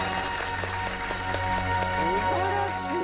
すばらしい。